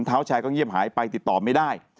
เท้าแชร์ก็เงียบหายไปติดต่อไม่ได้